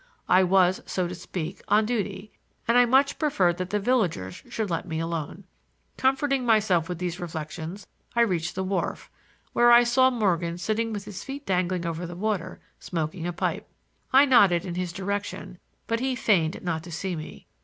I was, so to speak, on duty, and I much preferred that the villagers should let me alone. Comforting myself with these reflections I reached the wharf, where I saw Morgan sitting with his feet dangling over the water, smoking a pipe. I nodded in his direction, but he feigned not to see me.